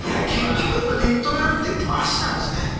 結局やっぱネットがあるって言っても足なんですね。